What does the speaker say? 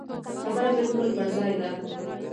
خبره بالکل پر ځای ده.